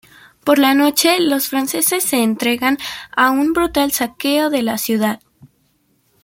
Por la noche, los franceses se entregan a un brutal saqueo de la ciudad.